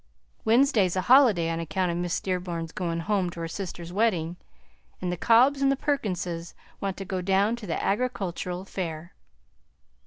Wednesday 's a holiday on account of Miss Dearborn's going home to her sister's wedding, and the Cobbs and Perkinses want to go down to the Agricultural Fair."